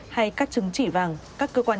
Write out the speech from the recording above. hay các chứng chỉ vàng các cơ quan